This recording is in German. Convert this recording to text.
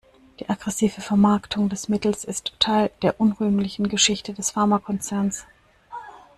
Die aggressive Vermarktung des Mittels ist Teil der unrühmlichen Geschichte des Pharmakonzerns.